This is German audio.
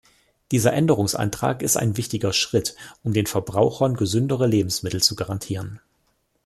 Dieser Änderungsantrag ist ein wichtiger Schritt, um den Verbrauchern gesündere Lebensmittel zu garantieren.